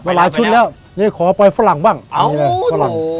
มาหลายชุดแล้วเนี้ยขอไปฝรั่งบ้างอ๋อฝรั่ง